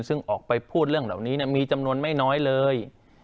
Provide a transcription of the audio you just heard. ซึ่งออกไปพูดเรื่องเหล่านี้มีจำนวนไม่น้อยเลย